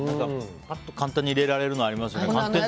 パッと簡単に入れられるのありますよね。